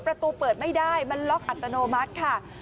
ประตูเปิดไม่ได้มันล็อกอัตโนมัติค่ะ